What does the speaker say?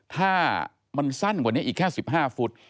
ถ้ามันสั้นกว่านี้อีกแค่๑๕ฟุต